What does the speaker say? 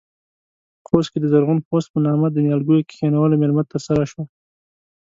په خوست کې د زرغون خوست په نامه د نيالګيو کښېنولو مېلمه ترسره شوه.